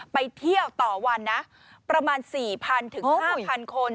ไปเที่ยวต่อวันนะประมาณ๔๐๐ถึง๕๐๐คน